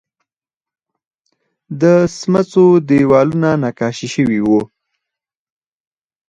د سمڅو دیوالونه نقاشي شوي وو